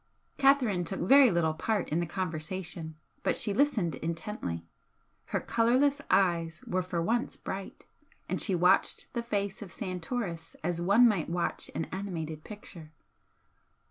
Catherine took very little part in the conversation, but she listened intently her colourless eyes were for once bright, and she watched the face of Santoris as one might watch an animated picture.